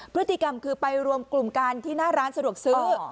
พฤติกรรมคือไปรวมกลุ่มกันที่หน้าร้านสะดวกซื้อ